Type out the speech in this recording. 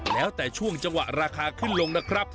แล้วแต่ช่วงจังหวะราคาขึ้นลงนะครับ